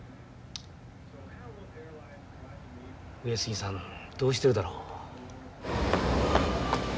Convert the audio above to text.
上杉さんどうしてるだろう。